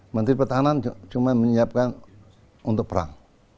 menteri pertahanan cuma menyiapkan untuk perang